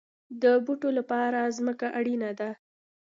د بوټو لپاره ځمکه اړین ده